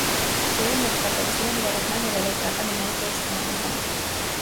Ջրերն օգտագործվում են ոռոգման և էլեկտրական էներգիա ստանալու համար։